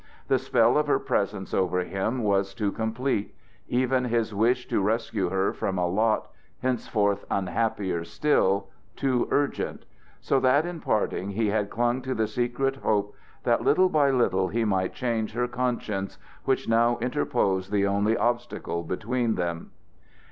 The spell of her presence over him was too complete; even his wish to rescue her from a lot, henceforth unhappier still, too urgent; so that in parting he had clung to the secret hope that little by little he might change her conscience, which now interposed the only obstacle between them.